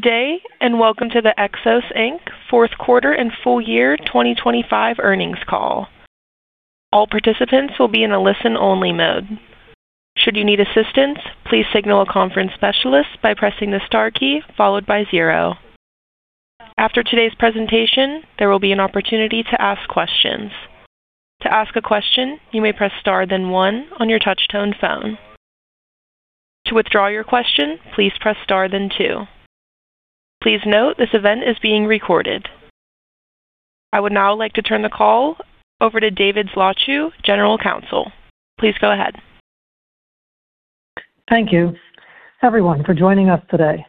Good day, and welcome to the Xos, Inc. fourth quarter and full year 2025 earnings call. All participants will be in a listen-only mode. Should you need assistance, please signal a conference specialist by pressing the star key followed by zero. After today's presentation, there will be an opportunity to ask questions. To ask a question, you may press star then one on your touchtone phone. To withdraw your question, please press star then two. Please note this event is being recorded. I would now like to turn the call over to David Zlotchew, General Counsel. Please go ahead. Thank you everyone for joining us today.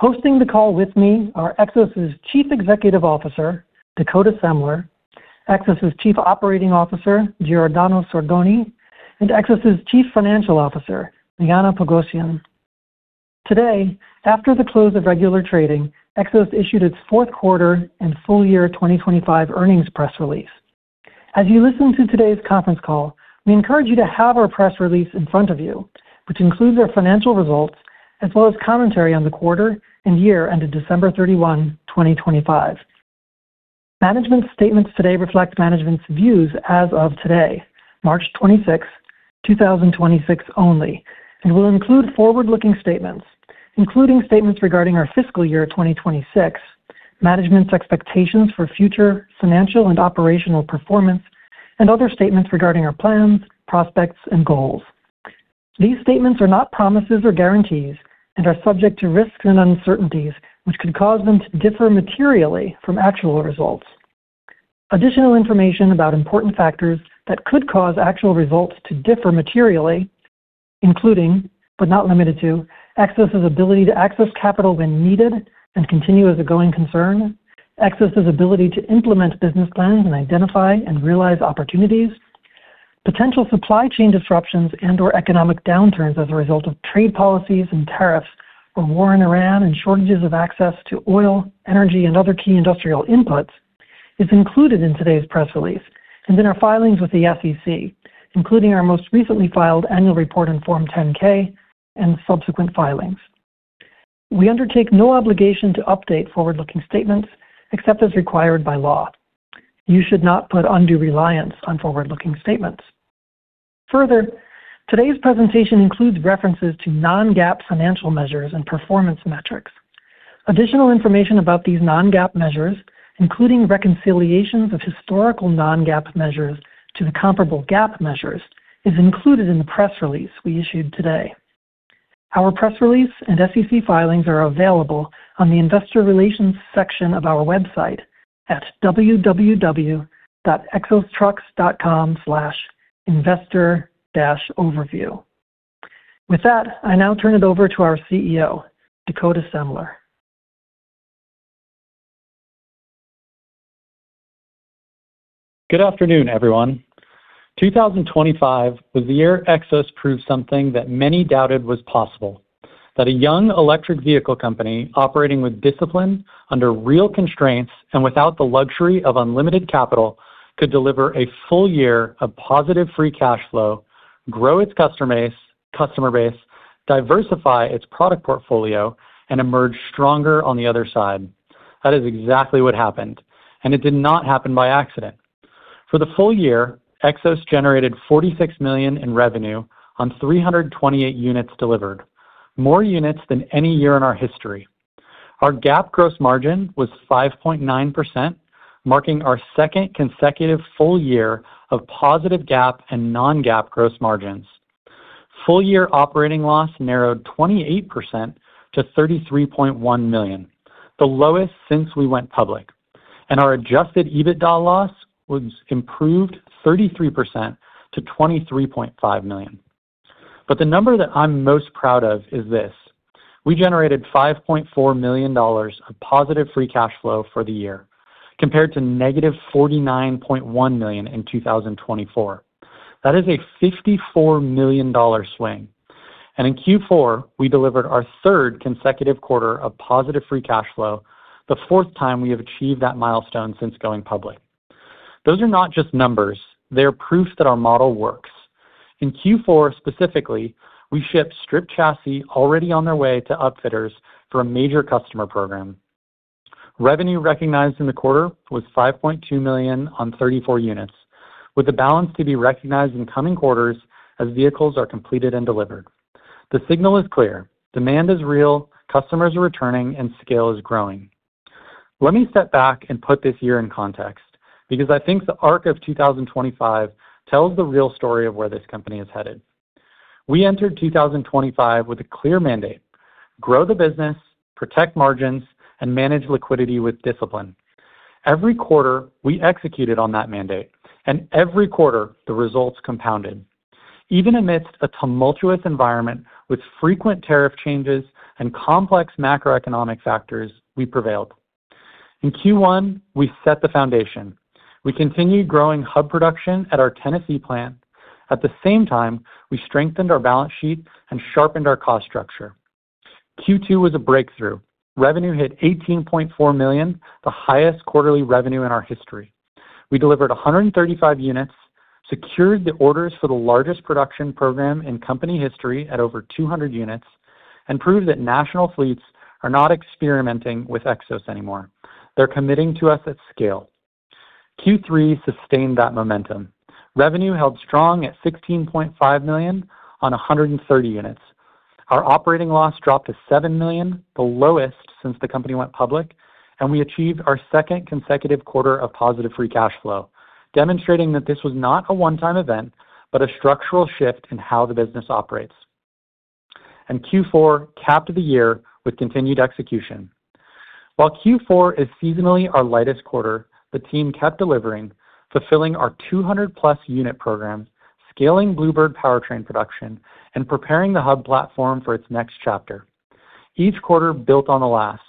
Hosting the call with me are Xos' Chief Executive Officer, Dakota Semler, Xos' Chief Operating Officer, Giordano Sordoni, and Xos' Chief Financial Officer, Liana Pogosyan. Today, after the close of regular trading, Xos issued its fourth quarter and full year 2025 earnings press release. As you listen to today's conference call, we encourage you to have our press release in front of you, which includes our financial results as well as commentary on the quarter and year ended December 31, 2025. Management statements today reflect management's views as of today, March 26, 2026 only, and will include forward-looking statements, including statements regarding our fiscal year 2026, management's expectations for future financial and operational performance, and other statements regarding our plans, prospects, and goals. These statements are not promises or guarantees and are subject to risks and uncertainties which could cause them to differ materially from actual results. Additional information about important factors that could cause actual results to differ materially, including, but not limited to, Xos' ability to access capital when needed and continue as a going concern, Xos' ability to implement business plans and identify and realize opportunities, potential supply chain disruptions and/or economic downturns as a result of trade policies and tariffs or war in Iran, and shortages of access to oil, energy, and other key industrial inputs is included in today's press release and in our filings with the SEC, including our most recently filed annual report and Form 10-K and subsequent filings. We undertake no obligation to update forward-looking statements except as required by law. You should not put undue reliance on forward-looking statements. Further, today's presentation includes references to non-GAAP financial measures and performance metrics. Additional information about these non-GAAP measures, including reconciliations of historical non-GAAP measures to the comparable GAAP measures, is included in the press release we issued today. Our press release and SEC filings are available on the Investor Relations section of our website at www.xostrucks.com/investor-overview. With that, I now turn it over to our CEO, Dakota Semler. Good afternoon, everyone. 2025 was the year Xos proved something that many doubted was possible: that a young electric vehicle company operating with discipline under real constraints and without the luxury of unlimited capital could deliver a full year of positive free cash flow, grow its customer base, diversify its product portfolio, and emerge stronger on the other side. That is exactly what happened, and it did not happen by accident. For the full year, Xos generated $46 million in revenue on 328 units delivered, more units than any year in our history. Our GAAP gross margin was 5.9%, marking our second consecutive full year of positive GAAP and non-GAAP gross margins. Full year operating loss narrowed 28% to $33.1 million, the lowest since we went public, and our adjusted EBITDA loss was improved 33% to $23.5 million. The number that I'm most proud of is this. We generated $5.4 million of positive free cash flow for the year compared to -$49.1 million in 2024. That is a $54 million swing. In Q4, we delivered our third consecutive quarter of positive free cash flow, the fourth time we have achieved that milestone since going public. Those are not just numbers, they are proof that our model works. In Q4 specifically, we shipped stripped chassis already on their way to upfitters for a major customer program. Revenue recognized in the quarter was $5.2 million on 34 units, with the balance to be recognized in coming quarters as vehicles are completed and delivered. The signal is clear. Demand is real, customers are returning, and scale is growing. Let me step back and put this year in context because I think the arc of 2025 tells the real story of where this company is headed. We entered 2025 with a clear mandate, grow the business, protect margins, and manage liquidity with discipline. Every quarter we executed on that mandate, and every quarter the results compounded. Even amidst a tumultuous environment with frequent tariff changes and complex macroeconomic factors, we prevailed. In Q1, we set the foundation. We continued growing hub production at our Tennessee plant. At the same time, we strengthened our balance sheet and sharpened our cost structure. Q2 was a breakthrough. Revenue hit $18.4 million, the highest quarterly revenue in our history. We delivered 135 units, secured the orders for the largest production program in company history at over 200 units, and proved that national fleets are not experimenting with Xos anymore. They're committing to us at scale. Q3 sustained that momentum. Revenue held strong at $16.5 million on 130 units. Our operating loss dropped to $7 million, the lowest since the company went public, and we achieved our second consecutive quarter of positive free cash flow, demonstrating that this was not a one-time event, but a structural shift in how the business operates. Q4 capped the year with continued execution. While Q4 is seasonally our lightest quarter, the team kept delivering, fulfilling our 200+ unit program, scaling Blue Bird powertrain production, and preparing the Hub platform for its next chapter. Each quarter built on the last.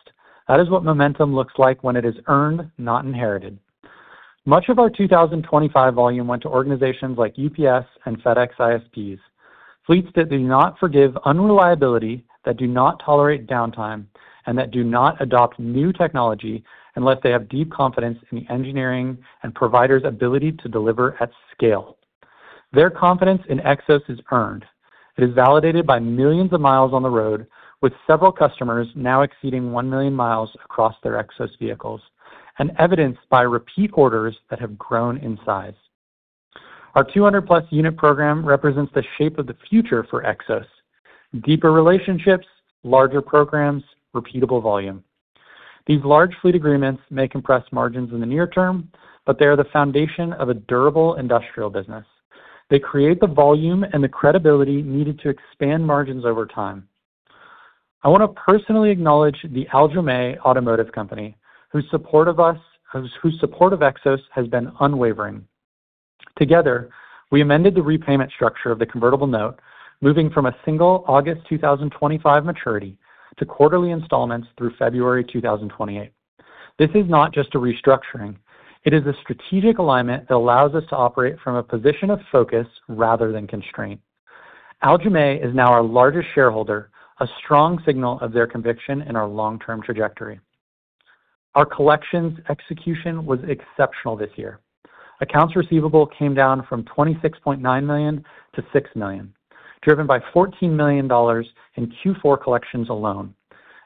That is what momentum looks like when it is earned, not inherited. Much of our 2025 volume went to organizations like UPS and FedEx ISPs, fleets that do not forgive unreliability, that do not tolerate downtime, and that do not adopt new technology unless they have deep confidence in the engineering and provider's ability to deliver at scale. Their confidence in Xos is earned. It is validated by millions of miles on the road with several customers now exceeding 1 million mi across their Xos vehicles and evidenced by repeat orders that have grown in size. Our 200+ unit program represents the shape of the future for Xos. Deeper relationships, larger programs, repeatable volume. These large fleet agreements may compress margins in the near term, but they are the foundation of a durable industrial business. They create the volume and the credibility needed to expand margins over time. I want to personally acknowledge the Aljomaih Automotive Company, whose support of Xos has been unwavering. Together, we amended the repayment structure of the convertible note, moving from a single August 2025 maturity to quarterly installments through February 2028. This is not just a restructuring. It is a strategic alignment that allows us to operate from a position of focus rather than constraint. Aljomaih is now our largest shareholder, a strong signal of their conviction in our long-term trajectory. Our collections execution was exceptional this year. Accounts receivable came down from $26.9 million to $6 million, driven by $14 million in Q4 collections alone,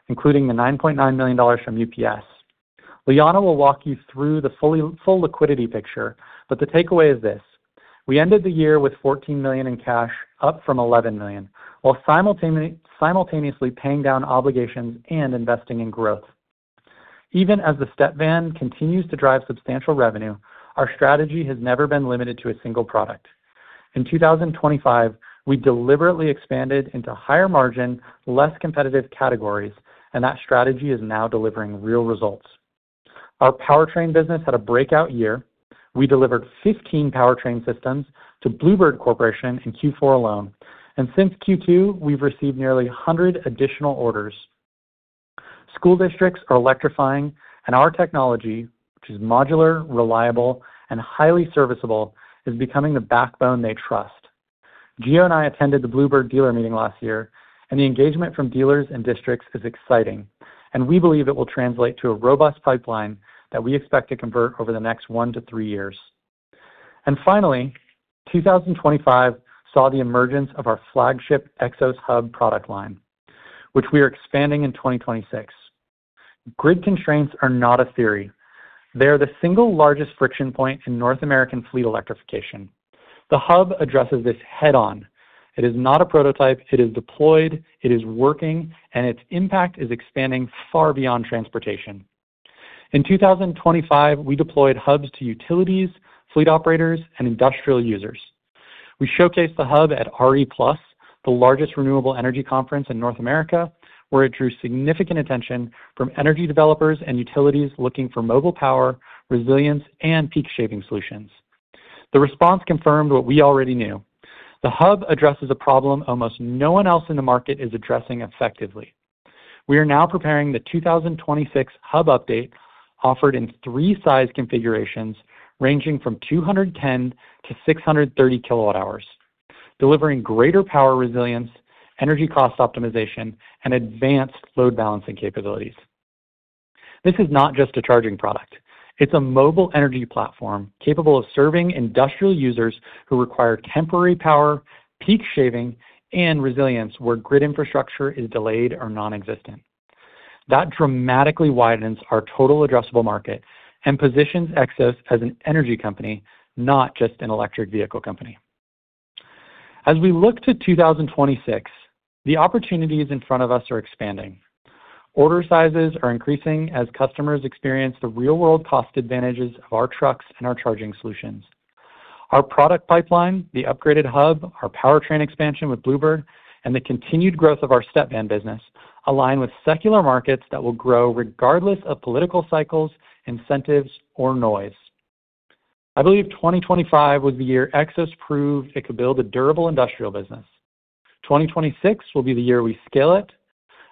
including the $9.9 million from UPS. Liana will walk you through the full liquidity picture, but the takeaway is this. We ended the year with $14 million in cash, up from $11 million, while simultaneously paying down obligations and investing in growth. Even as the Step Van continues to drive substantial revenue, our strategy has never been limited to a single product. In 2025, we deliberately expanded into higher margin, less competitive categories, and that strategy is now delivering real results. Our powertrain business had a breakout year. We delivered 15 powertrain systems to Blue Bird Corporation in Q4 alone. Since Q2, we've received nearly 100 additional orders. School districts are electrifying, and our technology, which is modular, reliable, and highly serviceable, is becoming the backbone they trust. Gio and I attended the Blue Bird dealer meeting last year, and the engagement from dealers and districts is exciting, and we believe it will translate to a robust pipeline that we expect to convert over the next one to three years. Finally, 2025 saw the emergence of our flagship Xos Hub product line, which we are expanding in 2026. Grid constraints are not a theory. They are the single largest friction point in North American fleet electrification. The Hub addresses this head-on. It is not a prototype, it is deployed, it is working, and its impact is expanding far beyond transportation. In 2025, we deployed Hubs to utilities, fleet operators, and industrial users. We showcased the Hub at RE+, the largest renewable energy conference in North America, where it drew significant attention from energy developers and utilities looking for mobile power, resilience, and peak shaving solutions. The response confirmed what we already knew. The Hub addresses a problem almost no one else in the market is addressing effectively. We are now preparing the 2026 Hub update offered in three size configurations ranging from 210 kWh-630 kWh, delivering greater power resilience, energy cost optimization, and advanced load balancing capabilities. This is not just a charging product. It's a mobile energy platform capable of serving industrial users who require temporary power, peak shaving, and resilience where grid infrastructure is delayed or non-existent. That dramatically widens our total addressable market and positions Xos as an energy company, not just an electric vehicle company. As we look to 2026, the opportunities in front of us are expanding. Order sizes are increasing as customers experience the real-world cost advantages of our trucks and our charging solutions. Our product pipeline, the upgraded Hub, our powertrain expansion with Blue Bird, and the continued growth of our Step Van business align with secular markets that will grow regardless of political cycles, incentives, or noise. I believe 2025 was the year Xos proved it could build a durable industrial business. 2026 will be the year we scale it.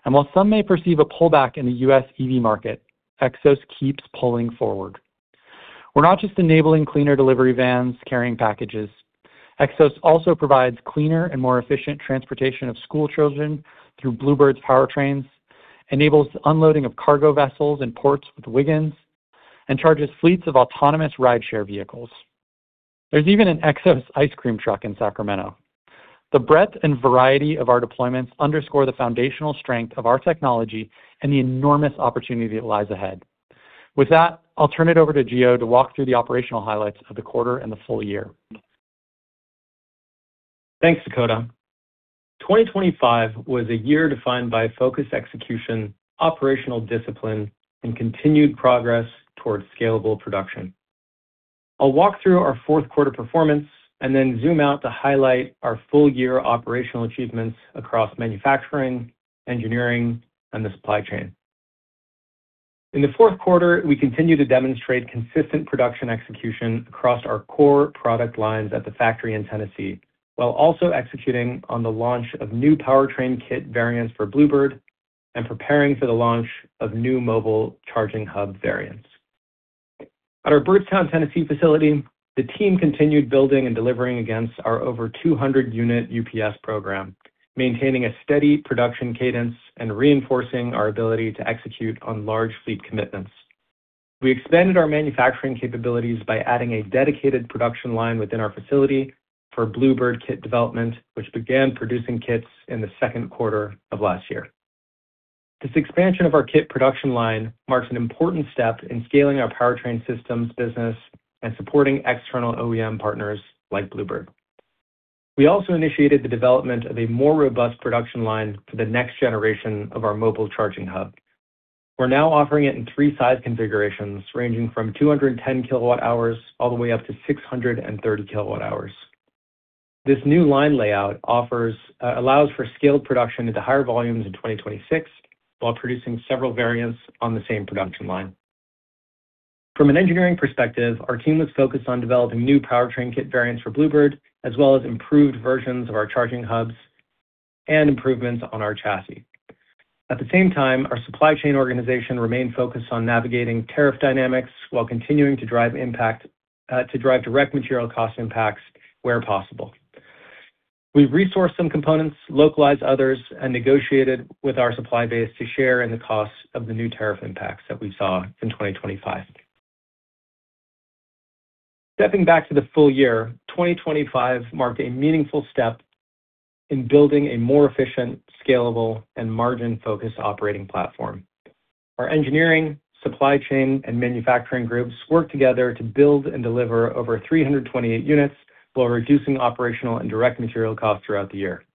While some may perceive a pullback in the U.S. EV market, Xos keeps pulling forward. We're not just enabling cleaner delivery vans carrying packages. Xos also provides cleaner and more efficient transportation of school children through Blue Bird's powertrains, enables unloading of cargo vessels in ports with Wiggins, and charges fleets of autonomous rideshare vehicles. There's even an Xos ice cream truck in Sacramento. The breadth and variety of our deployments underscore the foundational strength of our technology and the enormous opportunity that lies ahead. With that, I'll turn it over to Gio to walk through the operational highlights of the quarter and the full year. Thanks, Dakota. 2025 was a year defined by focused execution, operational discipline, and continued progress towards scalable production. I'll walk through our fourth quarter performance and then zoom out to highlight our full year operational achievements across manufacturing, engineering, and the supply chain. In the fourth quarter, we continued to demonstrate consistent production execution across our core product lines at the factory in Tennessee, while also executing on the launch of new powertrain kit variants for Blue Bird and preparing for the launch of new mobile charging hub variants. At our Byrdstown, Tennessee facility, the team continued building and delivering against our over 200-unit UPS program, maintaining a steady production cadence and reinforcing our ability to execute on large fleet commitments. We expanded our manufacturing capabilities by adding a dedicated production line within our facility for Blue Bird kit development, which began producing kits in the second quarter of last year. This expansion of our kit production line marks an important step in scaling our powertrain systems business and supporting external OEM partners like Blue Bird. We also initiated the development of a more robust production line for the next generation of our mobile charging hub. We're now offering it in three size configurations, ranging from 210 kWh all the way up to 630 kWh. This new line layout allows for scaled production into higher volumes in 2026, while producing several variants on the same production line. From an engineering perspective, our team was focused on developing new powertrain kit variants for Blue Bird, as well as improved versions of our charging hubs and improvements on our chassis. At the same time, our supply chain organization remained focused on navigating tariff dynamics while continuing to drive impact, to drive direct material cost impacts where possible. We've resourced some components, localized others, and negotiated with our supply base to share in the costs of the new tariff impacts that we saw in 2025. Stepping back to the full year, 2025 marked a meaningful step in building a more efficient, scalable, and margin-focused operating platform. Our engineering, supply chain, and manufacturing groups worked together to build and deliver over 328 units while reducing operational and direct material costs throughout the year.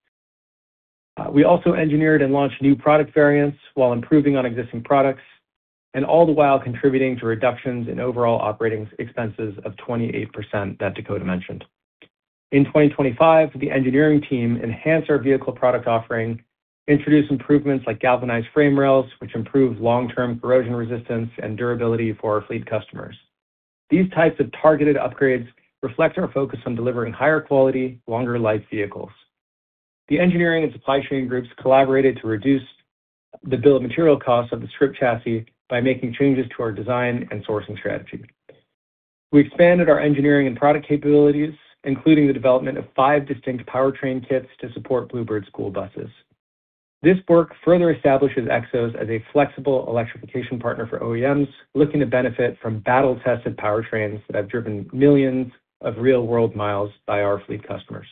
We also engineered and launched new product variants while improving on existing products, and all the while contributing to reductions in overall operating expenses of 28% that Dakota mentioned. In 2025, the engineering team enhanced our vehicle product offering, introduced improvements like galvanized frame rails, which improve long-term corrosion resistance and durability for our fleet customers. These types of targeted upgrades reflect our focus on delivering higher quality, longer life vehicles. The engineering and supply chain groups collaborated to reduce the bill of material costs of the stripped chassis by making changes to our design and sourcing strategy. We expanded our engineering and product capabilities, including the development of five distinct powertrain kits to support Blue Bird school buses. This work further establishes Xos as a flexible electrification partner for OEMs looking to benefit from battle-tested powertrains that have driven millions of real-world miles by our fleet customers.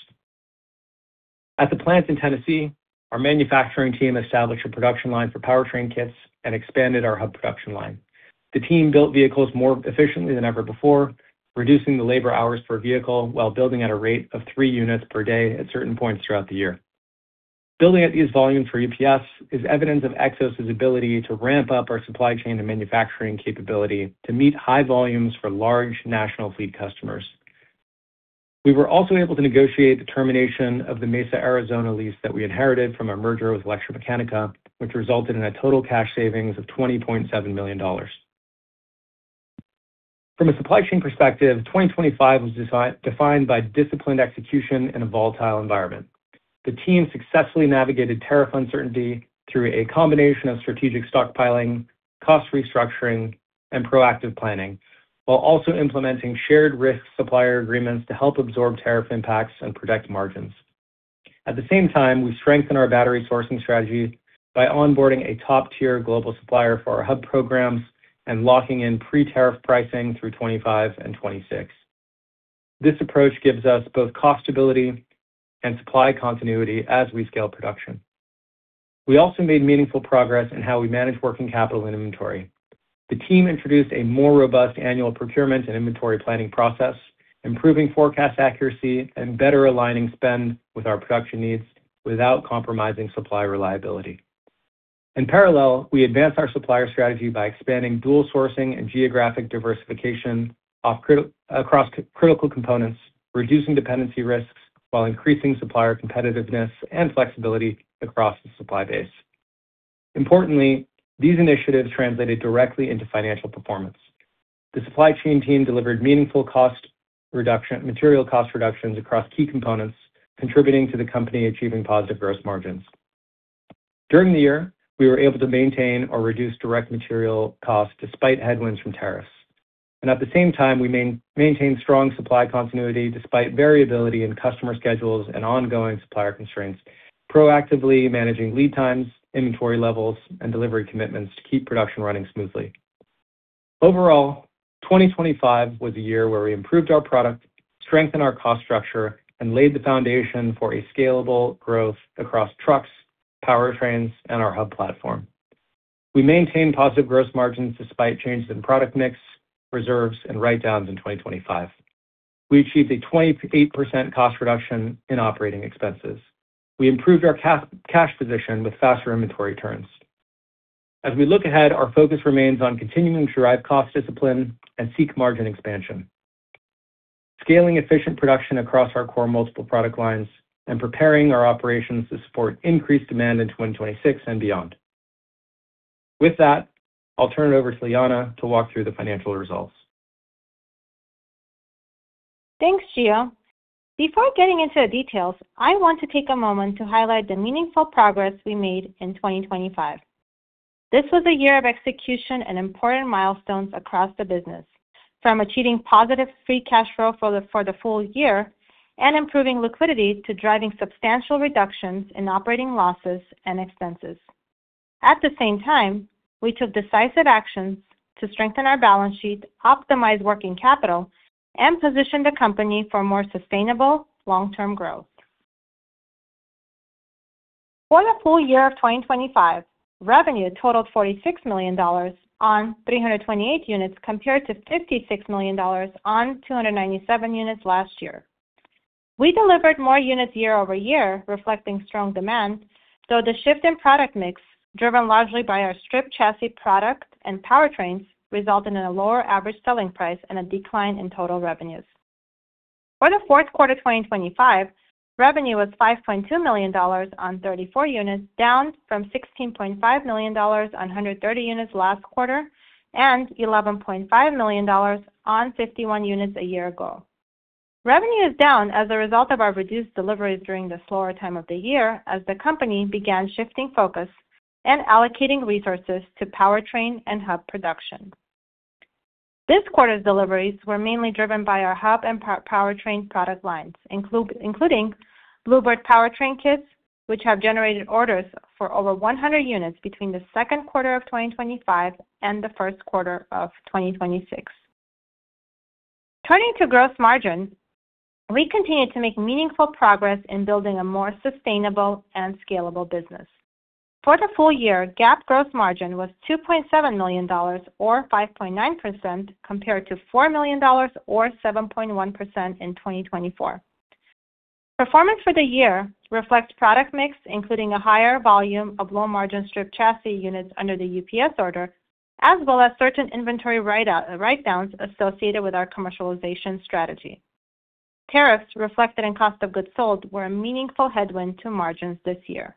At the plant in Tennessee, our manufacturing team established a production line for powertrain kits and expanded our hub production line. The team built vehicles more efficiently than ever before, reducing the labor hours per vehicle while building at a rate of three units per day at certain points throughout the year. Building at these volumes for UPS is evidence of Xos' ability to ramp up our supply chain and manufacturing capability to meet high volumes for large national fleet customers. We were also able to negotiate the termination of the Mesa, Arizona lease that we inherited from our merger with ElectraMeccanica, which resulted in a total cash savings of $20.7 million. From a supply chain perspective, 2025 was defined by disciplined execution in a volatile environment. The team successfully navigated tariff uncertainty through a combination of strategic stockpiling, cost restructuring, and proactive planning, while also implementing shared risk supplier agreements to help absorb tariff impacts and protect margins. At the same time, we strengthened our battery sourcing strategies by onboarding a top-tier global supplier for our hub programs and locking in pre-tariff pricing through 2025 and 2026. This approach gives us both cost stability and supply continuity as we scale production. We also made meaningful progress in how we manage working capital and inventory. The team introduced a more robust annual procurement and inventory planning process, improving forecast accuracy and better aligning spend with our production needs without compromising supply reliability. In parallel, we advanced our supplier strategy by expanding dual sourcing and geographic diversification of critical components, reducing dependency risks while increasing supplier competitiveness and flexibility across the supply base. Importantly, these initiatives translated directly into financial performance. The supply chain team delivered meaningful cost reduction, material cost reductions across key components, contributing to the company achieving positive gross margins. During the year, we were able to maintain or reduce direct material costs despite headwinds from tariffs. At the same time, we maintained strong supply continuity despite variability in customer schedules and ongoing supplier constraints, proactively managing lead times, inventory levels, and delivery commitments to keep production running smoothly. Overall, 2025 was a year where we improved our product, strengthened our cost structure, and laid the foundation for a scalable growth across trucks, powertrains, and our hub platform. We maintained positive gross margins despite changes in product mix, reserves, and write-downs in 2025. We achieved a 28% cost reduction in operating expenses. We improved our cash position with faster inventory turns. As we look ahead, our focus remains on continuing to drive cost discipline and seek margin expansion, scaling efficient production across our core multiple product lines, and preparing our operations to support increased demand in 2026 and beyond. With that, I'll turn it over to Liana to walk through the financial results. Thanks, Gio. Before getting into the details, I want to take a moment to highlight the meaningful progress we made in 2025. This was a year of execution and important milestones across the business, from achieving positive free cash flow for the full year and improving liquidity to driving substantial reductions in operating losses and expenses. At the same time, we took decisive actions to strengthen our balance sheet, optimize working capital, and position the company for more sustainable long-term growth. For the full year of 2025, revenue totaled $46 million on 328 units compared to $56 million on 297 units last year. We delivered more units year-over-year, reflecting strong demand, though the shift in product mix, driven largely by our stripped chassis product and powertrains, resulted in a lower average selling price and a decline in total revenues. For the fourth quarter 2025, revenue was $5.2 million on 34 units, down from $16.5 million on 130 units last quarter and $11.5 million on 51 units a year ago. Revenue is down as a result of our reduced deliveries during the slower time of the year as the company began shifting focus and allocating resources to powertrain and hub production. This quarter's deliveries were mainly driven by our hub and powertrain product lines, including Blue Bird powertrain kits, which have generated orders for over 100 units between the second quarter of 2025 and the first quarter of 2026. Turning to gross margin, we continued to make meaningful progress in building a more sustainable and scalable business. For the full year, GAAP gross margin was $2.7 million or 5.9% compared to $4 million or 7.1% in 2024. Performance for the year reflects product mix, including a higher volume of low-margin stripped chassis units under the UPS order, as well as certain inventory write-downs associated with our commercialization strategy. Tariffs reflected in cost of goods sold were a meaningful headwind to margins this year.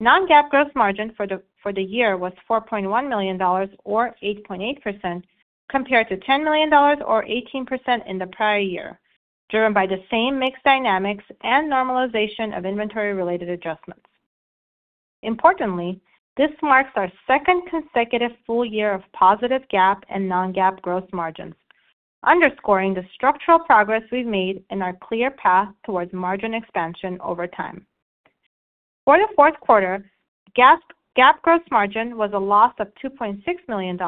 Non-GAAP gross margin for the year was $4.1 million or 8.8% compared to $10 million or 18% in the prior year, driven by the same mix dynamics and normalization of inventory-related adjustments. Importantly, this marks our second consecutive full year of positive GAAP and non-GAAP gross margins, underscoring the structural progress we've made and our clear path towards margin expansion over time. For the fourth quarter, GAAP gross margin was a loss of $2.6 million,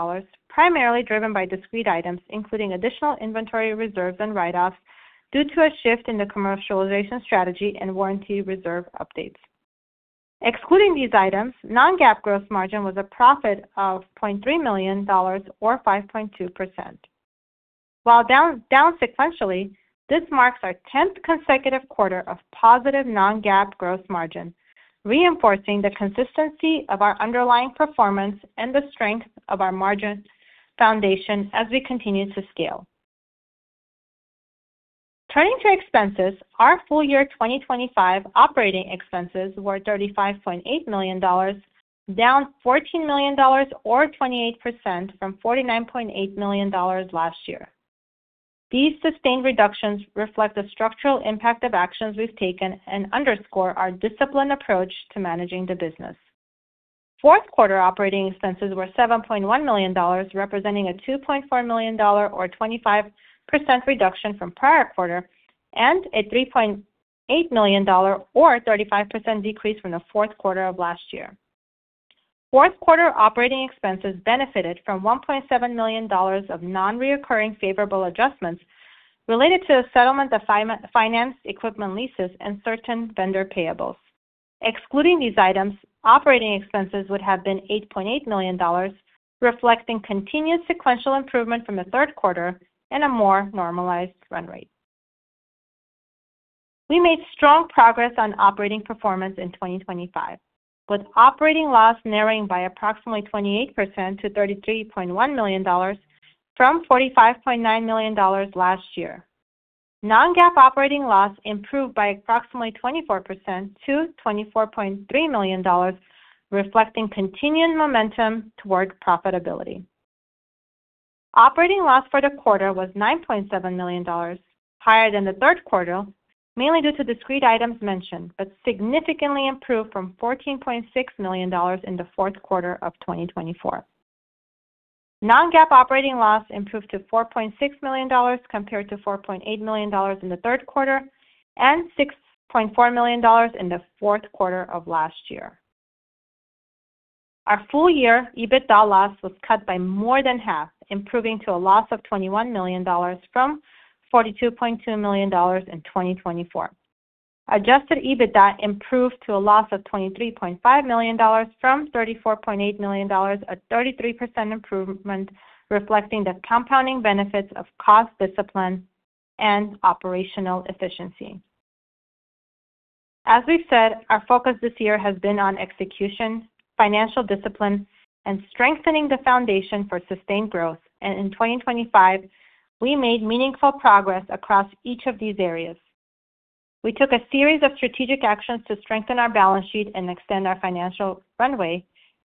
primarily driven by discrete items, including additional inventory reserves and write-offs due to a shift in the commercialization strategy and warranty reserve updates. Excluding these items, non-GAAP gross margin was a profit of $0.3 million or 5.2%. While down sequentially, this marks our 10th consecutive quarter of positive non-GAAP gross margin, reinforcing the consistency of our underlying performance and the strength of our margin foundation as we continue to scale. Turning to expenses, our full year 2025 operating expenses were $35.8 million, down $14 million or 28% from $49.8 million last year. These sustained reductions reflect the structural impact of actions we've taken and underscore our disciplined approach to managing the business. Fourth quarter operating expenses were $7.1 million, representing a $2.4 million or 25% reduction from prior quarter and a $3.8 million or 35% decrease from the fourth quarter of last year. Fourth quarter operating expenses benefited from $1.7 million of non-recurring favorable adjustments related to the settlement of finance equipment leases and certain vendor payables. Excluding these items, operating expenses would have been $8.8 million, reflecting continued sequential improvement from the third quarter and a more normalized run rate. We made strong progress on operating performance in 2025, with operating loss narrowing by approximately 28% to $33.1 million from $45.9 million last year. Non-GAAP operating loss improved by approximately 24% to $24.3 million, reflecting continued momentum toward profitability. Operating loss for the quarter was $9.7 million, higher than the third quarter, mainly due to discrete items mentioned, but significantly improved from $14.6 million in the fourth quarter of 2024. Non-GAAP operating loss improved to $4.6 million compared to $4.8 million in the third quarter and $6.4 million in the fourth quarter of last year. Our full year EBITDA loss was cut by more than half, improving to a loss of $21 million from $42.2 million in 2024. Adjusted EBITDA improved to a loss of $23.5 million from $34.8 million, a 33% improvement reflecting the compounding benefits of cost discipline and operational efficiency. As we've said, our focus this year has been on execution, financial discipline, and strengthening the foundation for sustained growth. In 2025, we made meaningful progress across each of these areas. We took a series of strategic actions to strengthen our balance sheet and extend our financial runway,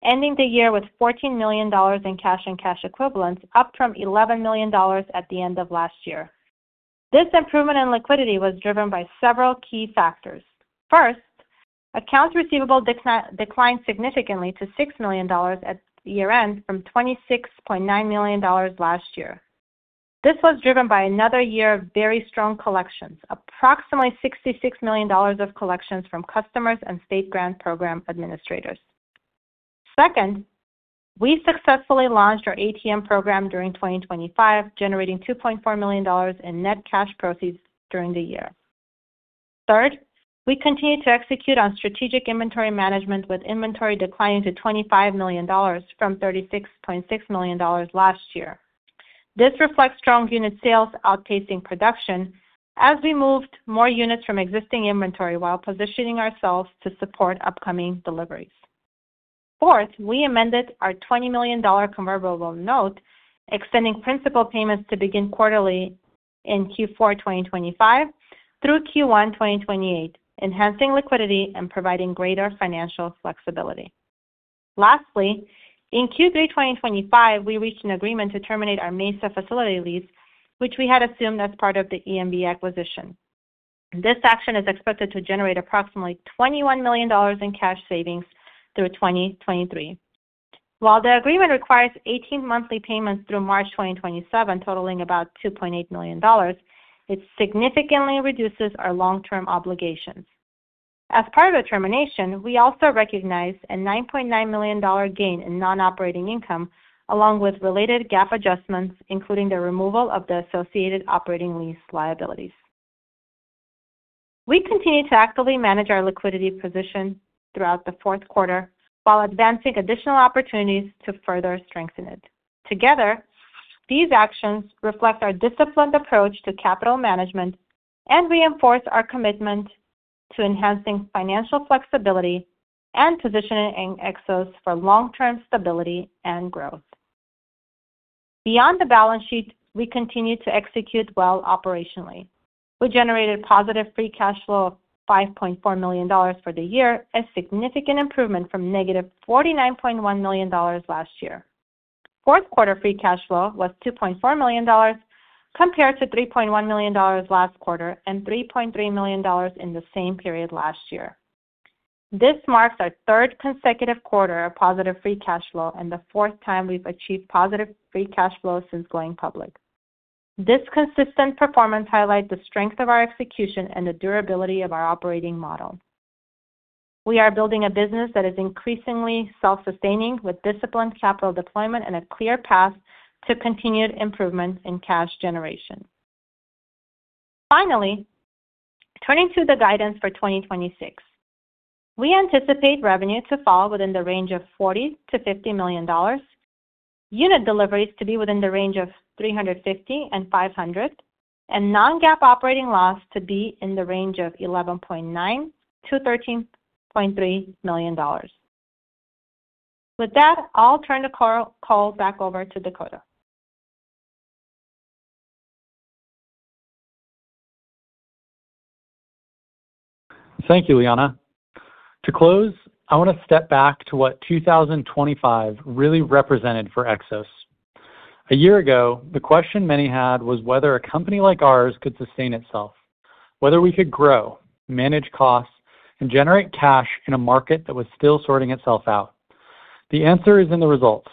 ending the year with $14 million in cash and cash equivalents, up from $11 million at the end of last year. This improvement in liquidity was driven by several key factors. First, accounts receivable declined significantly to $6 million at year-end from $26.9 million last year. This was driven by another year of very strong collections, approximately $66 million of collections from customers and state grant program administrators. Second, we successfully launched our ATM program during 2025, generating $2.4 million in net cash proceeds during the year. Third, we continued to execute on strategic inventory management, with inventory declining to $25 million from $36.6 million last year. This reflects strong unit sales outpacing production as we moved more units from existing inventory while positioning ourselves to support upcoming deliveries. Fourth, we amended our $20 million convertible note, extending principal payments to begin quarterly in Q4 2025 through Q1 2028, enhancing liquidity and providing greater financial flexibility. Lastly, in Q3 2025, we reached an agreement to terminate our Mesa facility lease, which we had assumed as part of the ElectraMeccanica acquisition. This action is expected to generate approximately $21 million in cash savings through 2023. While the agreement requires 18 monthly payments through March 2027, totaling about $2.8 million, it significantly reduces our long-term obligations. As part of the termination, we also recognized a $9.9 million gain in non-operating income, along with related GAAP adjustments, including the removal of the associated operating lease liabilities. We continued to actively manage our liquidity position throughout the fourth quarter while advancing additional opportunities to further strengthen it. Together, these actions reflect our disciplined approach to capital management and reinforce our commitment to enhancing financial flexibility and positioning Xos for long-term stability and growth. Beyond the balance sheet, we continued to execute well operationally. We generated positive free cash flow of $5.4 million for the year, a significant improvement from -$49.1 million last year. Fourth quarter free cash flow was $2.4 million compared to $3.1 million last quarter and $3.3 million in the same period last year. This marks our third consecutive quarter of positive free cash flow and the fourth time we've achieved positive free cash flow since going public. This consistent performance highlights the strength of our execution and the durability of our operating model. We are building a business that is increasingly self-sustaining, with disciplined capital deployment and a clear path to continued improvement in cash generation. Finally, turning to the guidance for 2026. We anticipate revenue to fall within the range of $40 million-$50 million, unit deliveries to be within the range of 350-500, and non-GAAP operating loss to be in the range of $11.9 million-$13.3 million. With that, I'll turn the call back over to Dakota. Thank you, Liana. To close, I wanna step back to what 2025 really represented for Xos. A year ago, the question many had was whether a company like ours could sustain itself, whether we could grow, manage costs, and generate cash in a market that was still sorting itself out. The answer is in the results.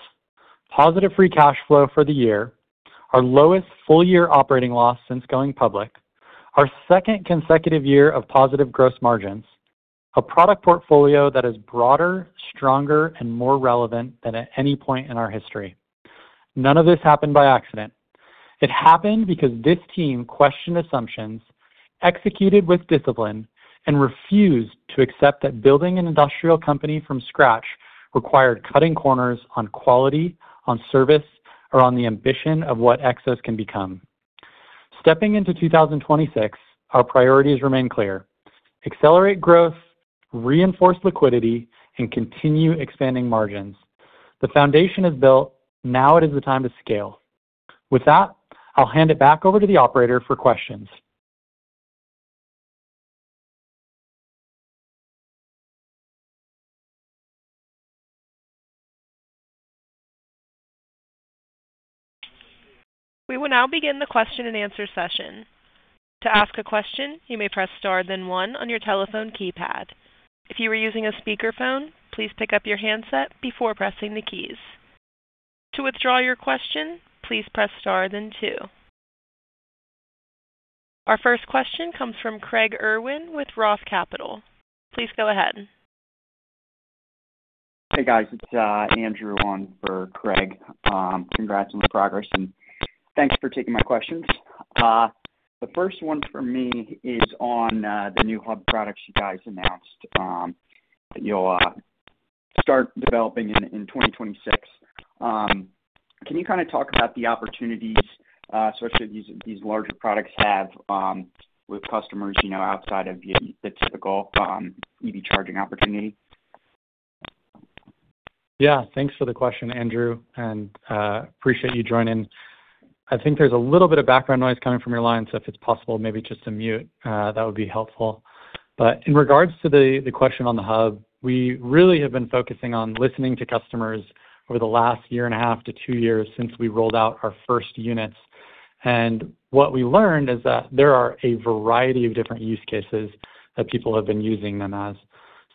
Positive free cash flow for the year, our lowest full-year operating loss since going public, our second consecutive year of positive gross margins, a product portfolio that is broader, stronger, and more relevant than at any point in our history. None of this happened by accident. It happened because this team questioned assumptions, executed with discipline, and refused to accept that building an industrial company from scratch required cutting corners on quality, on service, or on the ambition of what Xos can become. Stepping into 2026, our priorities remain clear. Accelerate growth, reinforce liquidity, and continue expanding margins. The foundation is built. Now it is the time to scale. With that, I'll hand it back over to the operator for questions. We will now begin the question-and-answer session. To ask a question, you may press star then one on your telephone keypad. If you are using a speakerphone, please pick up your handset before pressing the keys. To withdraw your question, please press star then two. Our first question comes from Craig Irwin with ROTH Capital. Please go ahead. Hey, guys. It's Andrew on for Craig. Congrats on the progress, and thanks for taking my questions. The first one for me is on the new hub products you guys announced that you'll start developing in 2026. Can you kinda talk about the opportunities, especially these larger products have with customers, you know, outside of the typical EV charging opportunity? Yeah. Thanks for the question, Andrew, and appreciate you joining. I think there's a little bit of background noise coming from your line, so if it's possible maybe just to mute, that would be helpful. In regards to the question on the hub, we really have been focusing on listening to customers over the last year and a half to two years since we rolled out our first units. What we learned is that there are a variety of different use cases that people have been using them as.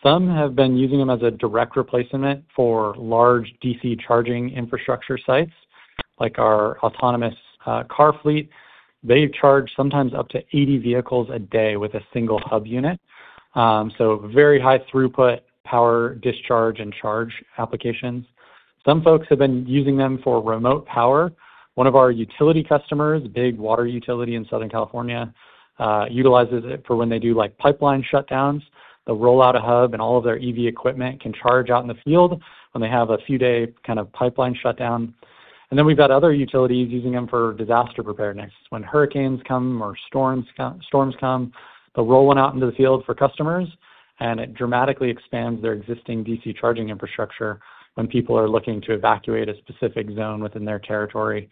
Some have been using them as a direct replacement for large DC charging infrastructure sites, like our autonomous car fleet. They charge sometimes up to 80 vehicles a day with a single hub unit. Very high throughput power discharge and charge applications. Some folks have been using them for remote power. One of our utility customers, big water utility in Southern California, utilizes it for when they do, like, pipeline shutdowns. They'll roll out a hub, and all of their EV equipment can charge out in the field when they have a few day kind of pipeline shutdown. Then we've got other utilities using them for disaster preparedness. When hurricanes come or storms come, they'll roll one out into the field for customers, and it dramatically expands their existing DC charging infrastructure when people are looking to evacuate a specific zone within their territory.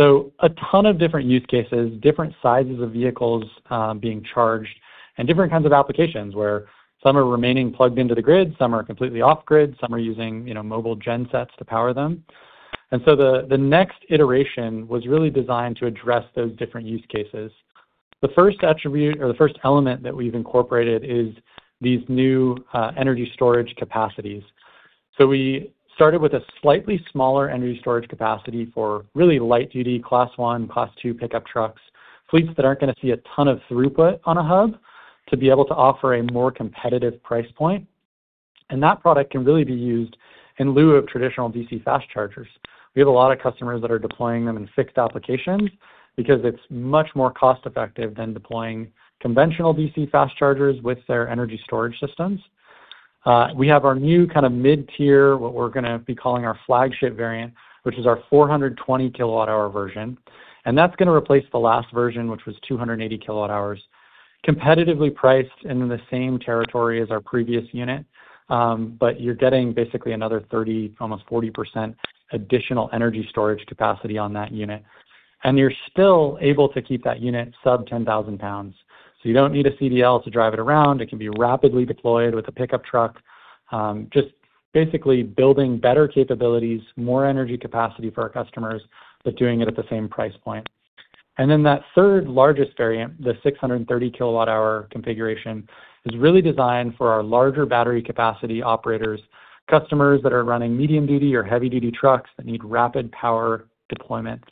A ton of different use cases, different sizes of vehicles, being charged, and different kinds of applications where some are remaining plugged into the grid, some are completely off grid, some are using, you know, mobile gen sets to power them. The next iteration was really designed to address those different use cases. The first attribute or the first element that we've incorporated is these new energy storage capacities. We started with a slightly smaller energy storage capacity for really light duty Class 1, Class 2 pickup trucks, fleets that aren't gonna see a ton of throughput on a hub to be able to offer a more competitive price point. That product can really be used in lieu of traditional DC fast chargers. We have a lot of customers that are deploying them in fixed applications because it's much more cost effective than deploying conventional DC fast chargers with their energy storage systems. We have our new kinda mid-tier, what we're gonna be calling our flagship variant, which is our 420 kWh version, and that's gonna replace the last version, which was 280 kWh, competitively priced in the same territory as our previous unit. You're getting basically another 30%, almost 40% additional energy storage capacity on that unit. You're still able to keep that unit sub 10,000 lbs. You don't need a CDL to drive it around. It can be rapidly deployed with a pickup truck. Just basically building better capabilities, more energy capacity for our customers, but doing it at the same price point. That third largest variant, the 630 kWh configuration, is really designed for our larger battery capacity operators, customers that are running medium-duty or heavy-duty trucks that need rapid power deployment.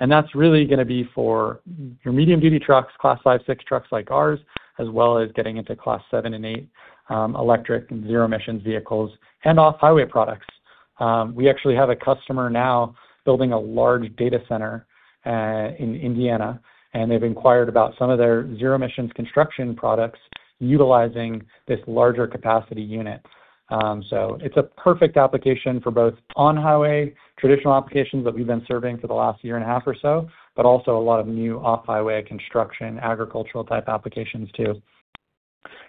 That's really gonna be for your medium-duty trucks, Class 5, 6 trucks like ours, as well as getting into Class 7 and 8, electric and zero emissions vehicles and off-highway products. We actually have a customer now building a large data center in Indiana, and they've inquired about some of their zero emissions construction products utilizing this larger capacity unit. It's a perfect application for both on-highway traditional applications that we've been serving for the last year and a half or so, but also a lot of new off-highway construction, agricultural type applications too.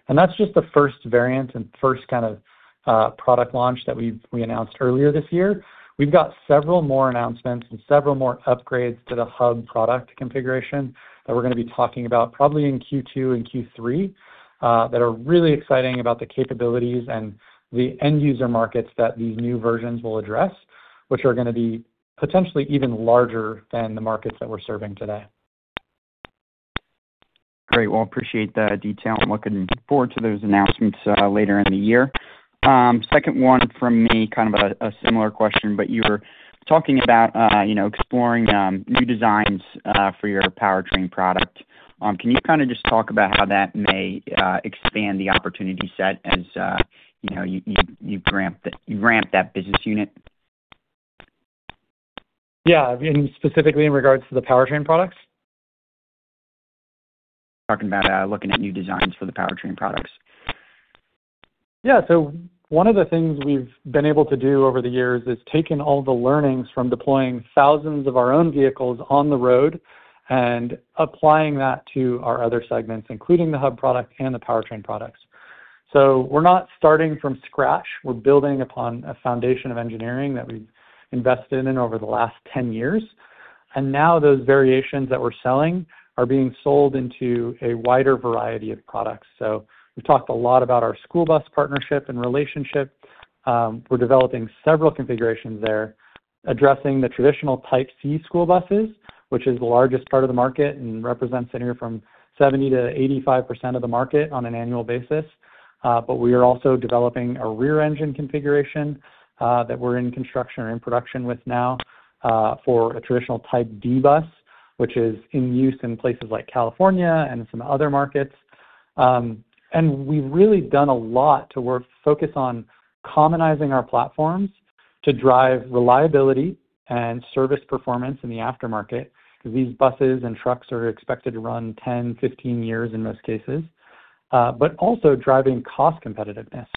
That's just the first variant and first kind of product launch that we announced earlier this year. We've got several more announcements and several more upgrades to the hub product configuration that we're gonna be talking about probably in Q2 and Q3 that are really exciting about the capabilities and the end user markets that these new versions will address, which are gonna be potentially even larger than the markets that we're serving today. Great. Well, I appreciate the detail. I'm looking forward to those announcements later in the year. Second one from me, kind of a similar question, but you were talking about, you know, exploring new designs for your powertrain product. Can you kinda just talk about how that may expand the opportunity set as, you know, you ramp that business unit? Yeah. You mean specifically in regards to the powertrain products? Talking about looking at new designs for the powertrain products. Yeah. One of the things we've been able to do over the years is taken all the learnings from deploying thousands of our own vehicles on the road and applying that to our other segments, including the hub product and the powertrain products. We're not starting from scratch. We're building upon a foundation of engineering that we've invested in over the last 10 years. Now those variations that we're selling are being sold into a wider variety of products. We've talked a lot about our school bus partnership and relationship. We're developing several configurations there, addressing the traditional Type C school buses, which is the largest part of the market and represents anywhere from 70%-85% of the market on an annual basis. We are also developing a rear engine configuration that we're in construction or in production with now for a traditional Type D bus, which is in use in places like California and some other markets. We've really done a lot to focus on commonizing our platforms to drive reliability and service performance in the aftermarket because these buses and trucks are expected to run 10, 15 years in most cases, but also driving cost competitiveness.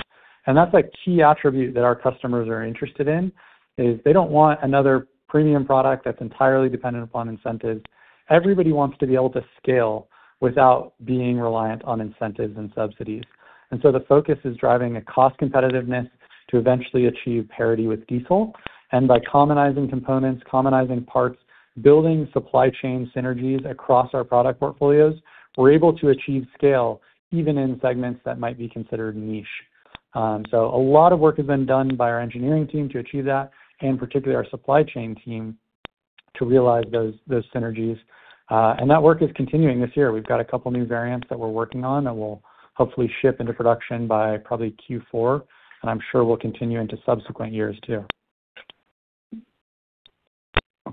That's a key attribute that our customers are interested in, is they don't want another premium product that's entirely dependent upon incentives. Everybody wants to be able to scale without being reliant on incentives and subsidies. The focus is driving a cost competitiveness to eventually achieve parity with diesel. By commonizing components, commonizing parts, building supply chain synergies across our product portfolios, we're able to achieve scale even in segments that might be considered niche. A lot of work has been done by our engineering team to achieve that and particularly our supply chain team to realize those synergies. That work is continuing this year. We've got a couple new variants that we're working on that will hopefully ship into production by probably Q4, and I'm sure we'll continue into subsequent years too.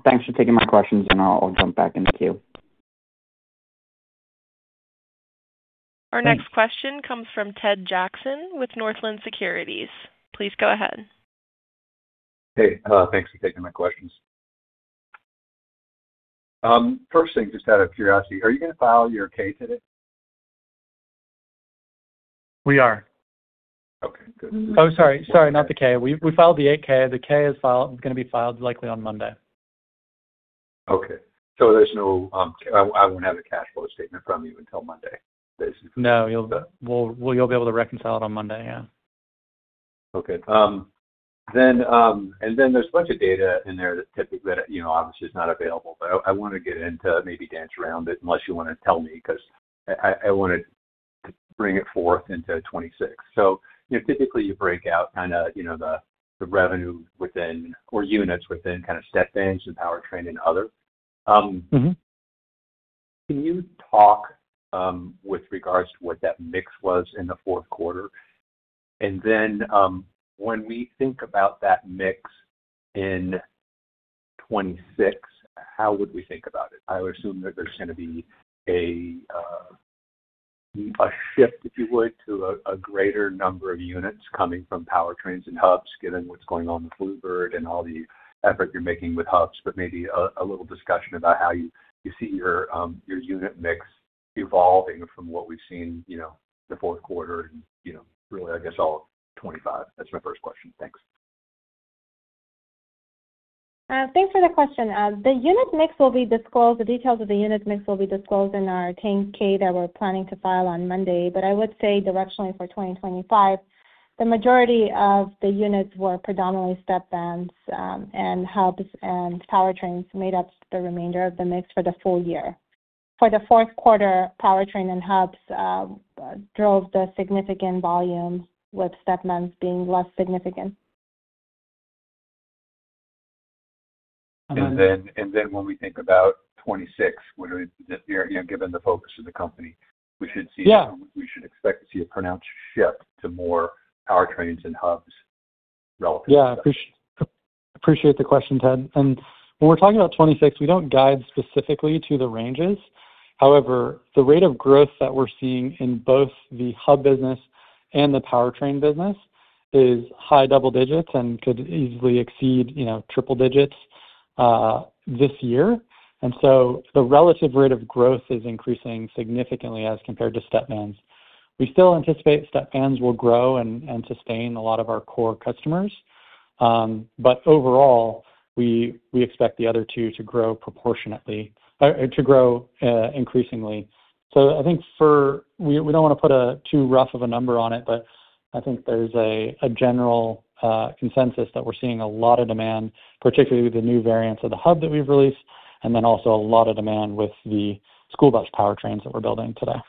Thanks for taking my questions, and I'll jump back in the queue. Thanks. Our next question comes from Ted Jackson with Northland Securities. Please go ahead. Hey, thanks for taking my questions. First thing, just out of curiosity, are you gonna file your 10-K today? We are. Okay, good. Oh, sorry. Not the 10-K. We filed the Form 8-K. The 10-K is gonna be filed likely on Monday. Okay. I won't have a cash flow statement from you until Monday, basically. No, well, you'll be able to reconcile it on Monday. Yeah. Okay. Then there's a bunch of data in there that's typically, you know, obviously is not available, but I wanna get into maybe dance around it unless you wanna tell me 'cause I wanna bring it forth into 2026. You know, typically you break out kinda, you know, the revenue within or units within kinda stepvans and powertrain and other. Mm-hmm. Can you talk with regards to what that mix was in the fourth quarter? Then, when we think about that mix in 2026, how would we think about it? I would assume that there's gonna be a shift, if you would, to a greater number of units coming from powertrains and hubs, given what's going on with Blue Bird and all the effort you're making with hubs. Maybe a little discussion about how you see your unit mix evolving from what we've seen, you know, the fourth quarter and, you know, really, I guess all of 2025. That's my first question. Thanks. Thanks for the question. The details of the unit mix will be disclosed in our 10-K that we're planning to file on Monday. I would say directionally for 2025, the majority of the units were predominantly Step Vans, and Hubs and powertrains made up the remainder of the mix for the full year. For the fourth quarter, powertrain and hubs drove the significant volumes with step vans being less significant. When we think about 2026, where, you know, given the focus of the company, we should see- Yeah. We should expect to see a pronounced shift to more powertrains and hubs relative. Yeah. Appreciate the question, Ted. When we're talking about 2026, we don't guide specifically to the ranges. However, the rate of growth that we're seeing in both the Hub business and the powertrain business is high double digits and could easily exceed triple digits this year. The relative rate of growth is increasing significantly as compared to step vans. We still anticipate step vans will grow and sustain a lot of our core customers. Overall, we expect the other two to grow proportionately or to grow increasingly. I think for... We don't wanna put a too rough of a number on it, but I think there's a general consensus that we're seeing a lot of demand, particularly with the new variants of the hub that we've released, and then also a lot of demand with the school bus powertrains that we're building today.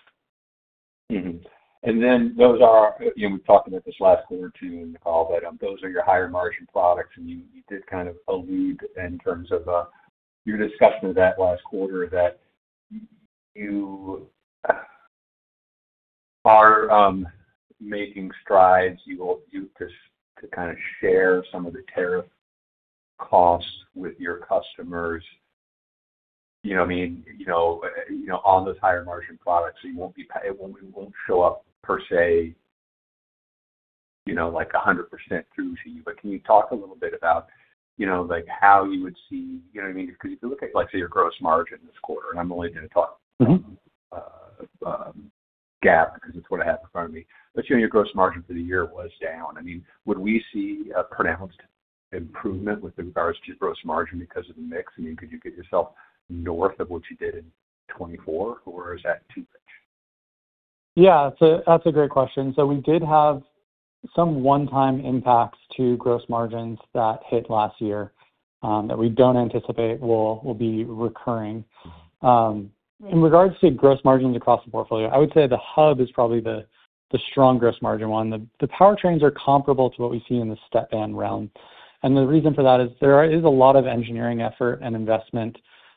Mm-hmm. Then those are, you know, we've talked about this last quarter too, but those are your higher margin products. You did kind of allude in terms of your discussion of that last quarter that you are making strides. You just to kind of share some of the tariff costs with your customers. You know what I mean? You know on those higher margin products. It won't show up per se, you know, like 100% through to you. Can you talk a little bit about, you know, like how you would see, you know what I mean? 'Cause if you look at like, say, your gross margin this quarter, and I'm only gonna talk GAAP because it's what I have in front of me. You know, your gross margin for the year was down. I mean, would we see a pronounced improvement with regards to gross margin because of the mix? I mean, could you get yourself north of what you did in 2024, or is that too- Yeah. That's a great question. We did have some one-time impacts to gross margins that hit last year, that we don't anticipate will be recurring. In regard to gross margins across the portfolio, I would say the Hub is probably the strong gross margin one. The powertrains are comparable to what we see in the stepvan realm. The reason for that is there is a lot of engineering effort and investment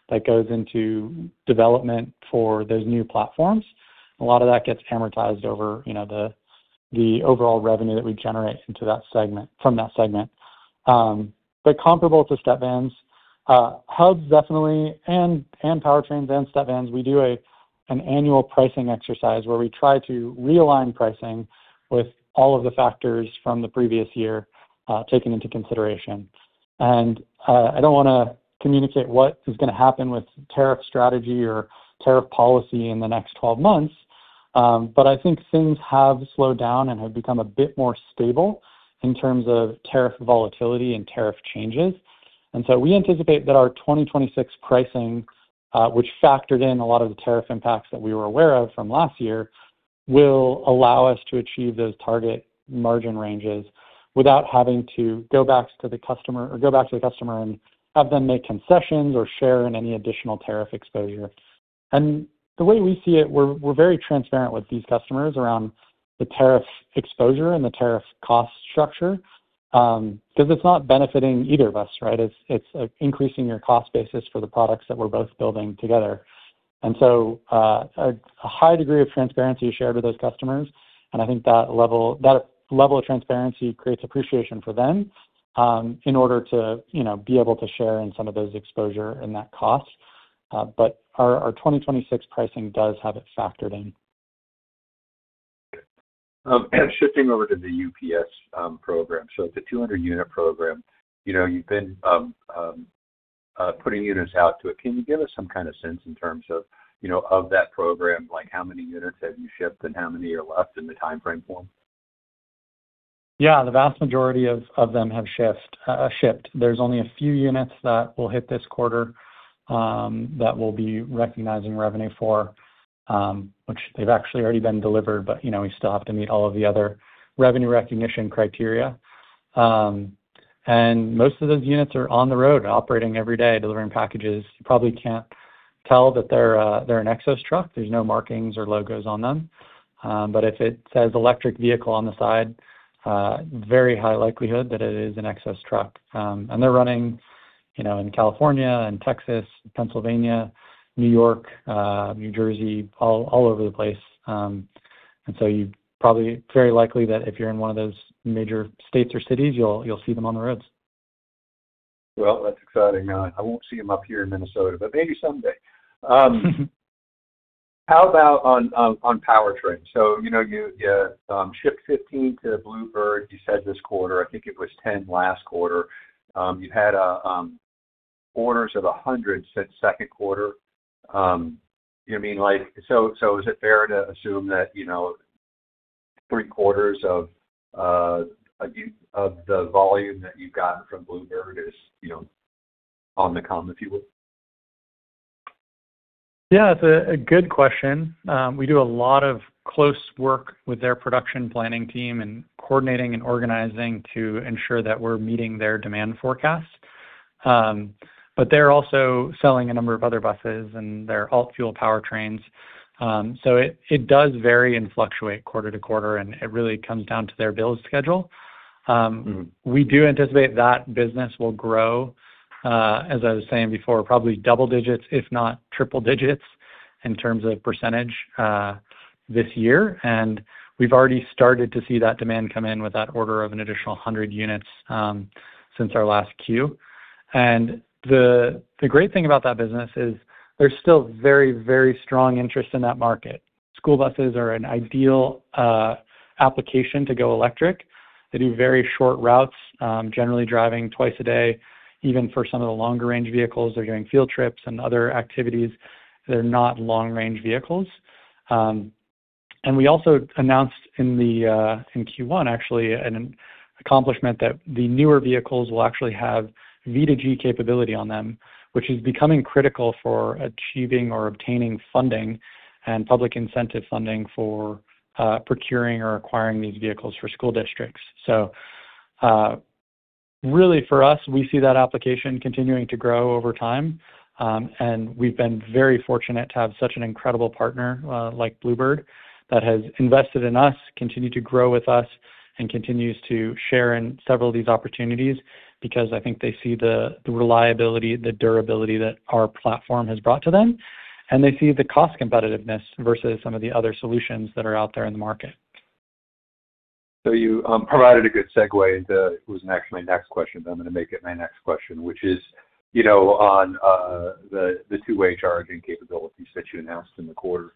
that goes into development for those new platforms. A lot of that gets amortized over, you know, the overall revenue that we generate into that segment from that segment. Comparable to Step Vans, Hubs definitely, and powertrains and stepvans, we do an annual pricing exercise where we try to realign pricing with all of the factors from the previous year, taken into consideration. I don't wanna communicate what is gonna happen with tariff strategy or tariff policy in the next 12 months, but I think things have slowed down and have become a bit more stable in terms of tariff volatility and tariff changes. We anticipate that our 2026 pricing, which factored in a lot of the tariff impacts that we were aware of from last year, will allow us to achieve those target margin ranges without having to go back to the customer and have them make concessions or share in any additional tariff exposure. The way we see it, we're very transparent with these customers around the tariff exposure and the tariff cost structure, 'cause it's not benefiting either of us, right? It's like increasing your cost basis for the products that we're both building together. A high degree of transparency is shared with those customers, and I think that level of transparency creates appreciation for them in order to, you know, be able to share in some of those exposure and that cost. Our 2026 pricing does have it factored in. Shifting over to the UPS program. The 200-unit program. You know, you've been putting units out to it. Can you give us some kind of sense in terms of, you know, of that program, like how many units have you shipped and how many are left in the timeframe for? Yeah. The vast majority of them have shipped. There's only a few units that will hit this quarter that we'll be recognizing revenue for, which they've actually already been delivered, but you know, we still have to meet all of the other revenue recognition criteria. Most of those units are on the road operating every day, delivering packages. You probably can't tell that they're an Xos truck. There's no markings or logos on them. But if it says electric vehicle on the side, very high likelihood that it is an Xos Truck. They're running, you know, in California and Texas, Pennsylvania, New York, New Jersey, all over the place. It's very likely that if you're in one of those major states or cities, you'll see them on the roads. Well, that's exciting. I won't see them up here in Minnesota, but maybe someday. How about on powertrain? You know, you shipped 15 to Blue Bird, you said this quarter. I think it was 10 last quarter. You had orders of 100 since second quarter. You know what I mean? Like, so is it fair to assume that, you know, three-quarters of the volume that you've gotten from Blue Bird is, you know, on the come, if you will? Yeah. It's a good question. We do a lot of close work with their production planning team and coordinating and organizing to ensure that we're meeting their demand forecast. But they're also selling a number of other buses and their alt-fuel powertrains. So it does vary and fluctuate quarter to quarter, and it really comes down to their build schedule. Mm-hmm. We do anticipate that business will grow, as I was saying before, probably double digits if not triple digits in terms of percentage, this year. We've already started to see that demand come in with that order of an additional 100 units, since our last Q. The great thing about that business is there's still very, very strong interest in that market. School buses are an ideal application to go electric. They do very short routes, generally driving twice a day. Even for some of the longer range vehicles, they're doing field trips and other activities. They're not long range vehicles. We also announced in the in Q1 actually an accomplishment that the newer vehicles will actually have V2G capability on them, which is becoming critical for achieving or obtaining funding and public incentive funding for procuring or acquiring these vehicles for school districts. Really for us, we see that application continuing to grow over time. We've been very fortunate to have such an incredible partner like Blue Bird that has invested in us, continued to grow with us, and continues to share in several of these opportunities because I think they see the reliability, the durability that our platform has brought to them. They see the cost competitiveness versus some of the other solutions that are out there in the market. You provided a good segue that was actually my next question, but I'm gonna make it my next question, which is, you know, on the two-way charging capabilities that you announced in the quarter.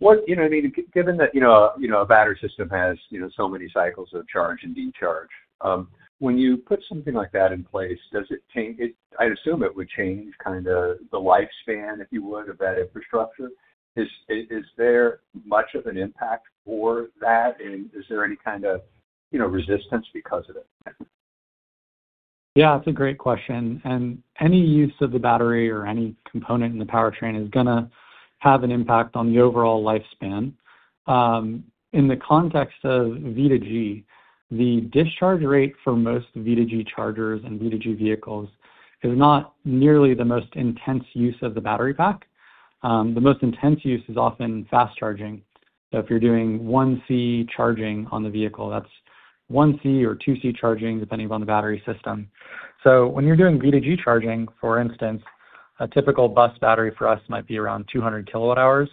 You know what I mean? Given that, you know, a battery system has, you know, so many cycles of charge and discharge, when you put something like that in place, does it change it? I'd assume it would change kinda the lifespan, if you would, of that infrastructure. Is there much of an impact for that, and is there any kind of, you know, resistance because of it? Yeah, that's a great question. Any use of the battery or any component in the powertrain is gonna have an impact on the overall lifespan. In the context of V2G, the discharge rate for most V2G chargers and V2G vehicles is not nearly the most intense use of the battery pack. The most intense use is often fast charging. If you're doing 1C charging on the vehicle, that's 1C or 2C charging, depending upon the battery system. When you're doing V2G charging, for instance, a typical bus battery for us might be around 200 kWh.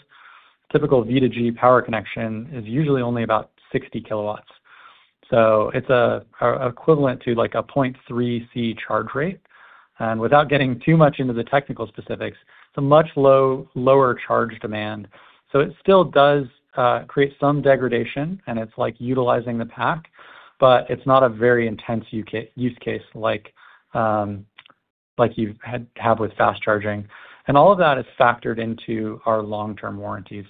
Typical V2G power connection is usually only about 60 kW. It's equivalent to, like, a 0.3C charge rate. Without getting too much into the technical specifics, it's a much lower charge demand. It still does create some degradation, and it's like utilizing the pack, but it's not a very intense use case like you have with fast charging. All of that is factored into our long-term warranty.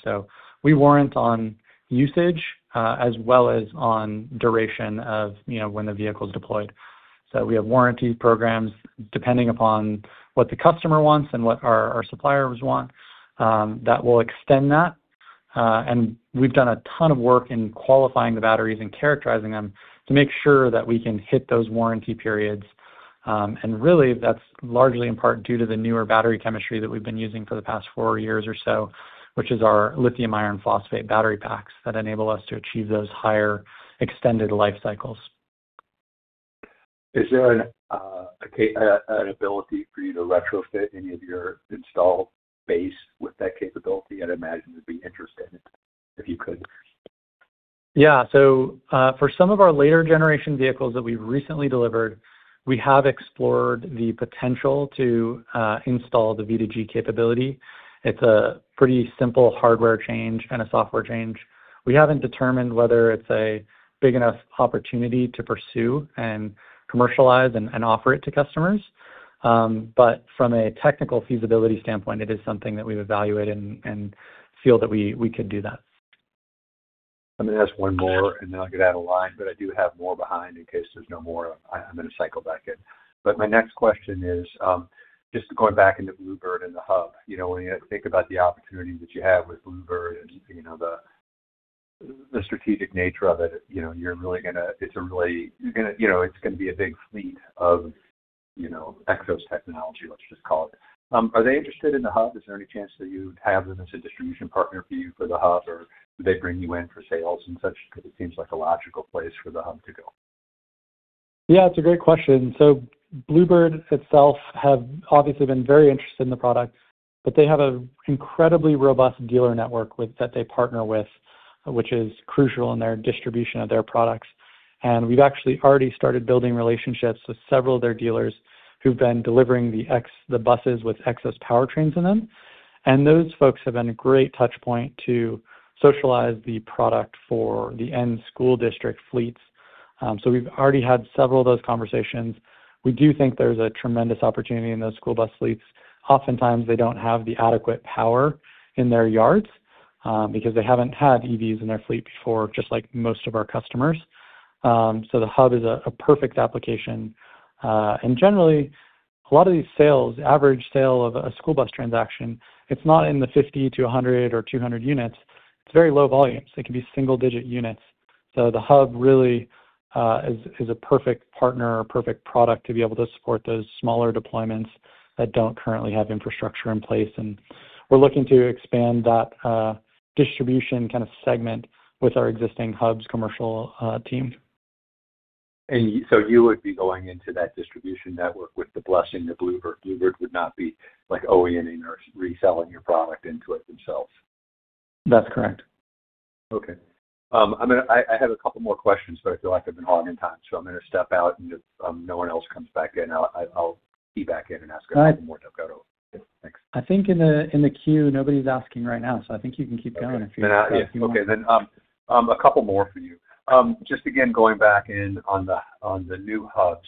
We warrant on usage as well as on duration of, you know, when the vehicle's deployed. We have warranty programs depending upon what the customer wants and what our suppliers want that will extend that. We've done a ton of work in qualifying the batteries and characterizing them to make sure that we can hit those warranty periods. Really that's largely in part due to the newer battery chemistry that we've been using for the past four years or so, which is our lithium iron phosphate battery packs that enable us to achieve those higher extended life cycles. Is there an ability for you to retrofit any of your installed base with that capability? I'd imagine it'd be interesting if you could. Yeah. For some of our later generation vehicles that we've recently delivered, we have explored the potential to install the V2G capability. It's a pretty simple hardware change and a software change. We haven't determined whether it's a big enough opportunity to pursue and commercialize and offer it to customers. From a technical feasibility standpoint, it is something that we've evaluated and feel that we could do that. I'm gonna ask one more, and then I'll get out of line, but I do have more behind in case there's no more. I'm gonna cycle back in. My next question is, just going back into Blue Bird and the Hub. You know, when you think about the opportunity that you have with Blue Bird and, you know, the strategic nature of it, you know, it's gonna be a big fleet of, you know, Xos technology, let's just call it. Are they interested in the Hub? Is there any chance that you'd have them as a distribution partner for you for the Hub? Or do they bring you in for sales and such? Because it seems like a logical place for the Hub to go. Yeah, it's a great question. Blue Bird itself have obviously been very interested in the product, but they have an incredibly robust dealer network with that they partner with, which is crucial in their distribution of their products. We've actually already started building relationships with several of their dealers who've been delivering the buses with Xos powertrains in them. Those folks have been a great touch point to socialize the product for the end school district fleets. We've already had several of those conversations. We do think there's a tremendous opportunity in those school bus fleets. Oftentimes they don't have the adequate power in their yards, because they haven't had EVs in their fleet before, just like most of our customers. The Hub is a perfect application. Generally, a lot of these sales, average sale of a school bus transaction, it's not in the 50-100 or 200 units. It's very low volumes. It can be single-digit units. The Hub really is a perfect partner or perfect product to be able to support those smaller deployments that don't currently have infrastructure in place. We're looking to expand that distribution kind of segment with our existing Hub's commercial team. You would be going into that distribution network with the blessing of Blue Bird. Blue Bird would not be, like, OE-ing or reselling your product into it themselves. That's correct. Okay. I have a couple more questions, but I feel like I've been hogging time, so I'm gonna step out, and if no one else comes back in, I'll be back in and ask a couple more to go over. All right. Yeah. Thanks. I think in the queue, nobody's asking right now, so I think you can keep going if you. Okay. If you want. Okay. A couple more for you. Just again, going back in on the new Hubs,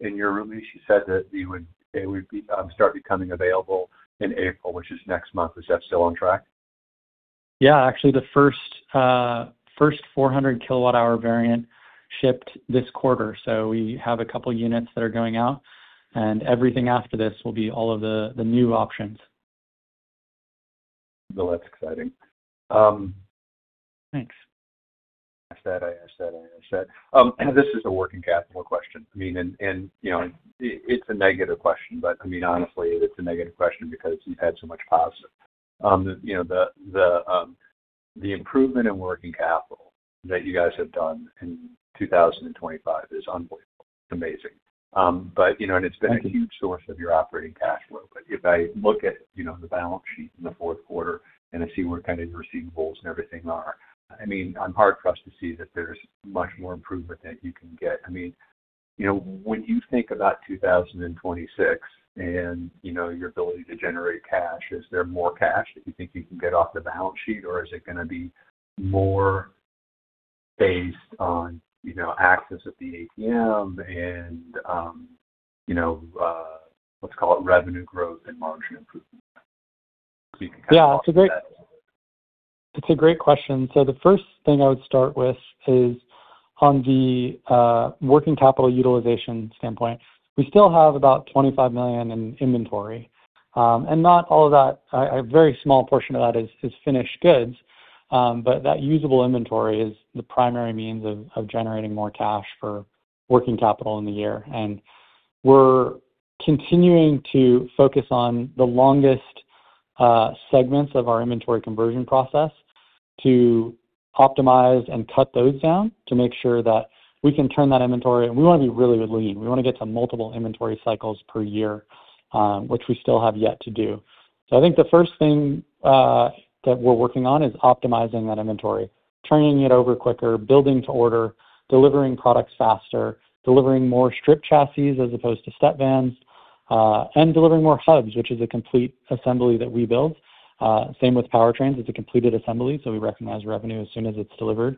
in your release, you said that it would start becoming available in April, which is next month. Is that still on track? Actually, the first 400 kWh variant shipped this quarter. We have a couple units that are going out, and everything after this will be all of the new options. Well, that's exciting. Thanks. I said. This is a working capital question. I mean, you know, it's a negative question, but I mean, honestly, it's a negative question because you've had so much positive. You know, the improvement in working capital that you guys have done in 2025 is unbelievable. It's amazing. You know, and it's been- Thank you. A huge source of your operating cash flow. If I look at, you know, the balance sheet in the fourth quarter and I see where kind of your receivables and everything are, I mean, I'm hard-pressed to see that there's much more improvement that you can get. I mean, you know, when you think about 2026 and, you know, your ability to generate cash, is there more cash that you think you can get off the balance sheet, or is it gonna be more based on, you know, access at the ATM and, you know, let's call it revenue growth and margin improvement? You can kind of walk through that. It's a great question. The first thing I would start with is on the working capital utilization standpoint. We still have about $25 million in inventory, and not all of that a very small portion of that is finished goods. But that usable inventory is the primary means of generating more cash for working capital in the year. We're continuing to focus on the longest segments of our inventory conversion process to optimize and cut those down to make sure that we can turn that inventory. We wanna be really lean. We wanna get to multiple inventory cycles per year, which we still have yet to do. I think the first thing that we're working on is optimizing that inventory, turning it over quicker, building to order, delivering products faster, delivering more stripped chassis as opposed to step vans, and delivering more hubs, which is a complete assembly that we build. Same with powertrains. It's a completed assembly, so we recognize revenue as soon as it's delivered.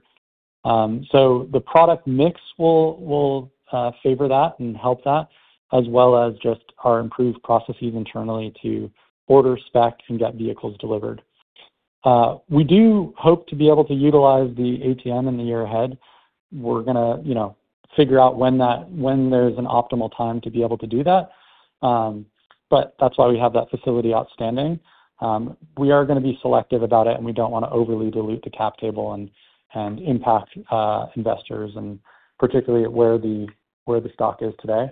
The product mix will favor that and help that, as well as just our improved processes internally to order, spec, and get vehicles delivered. We do hope to be able to utilize the ATM in the year ahead. We're gonna, you know, figure out when there's an optimal time to be able to do that. But that's why we have that facility outstanding. We are gonna be selective about it, and we don't wanna overly dilute the cap table and impact investors, and particularly where the stock is today.